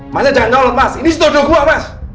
mas jangan ngelak mas ini situ dodo gua mas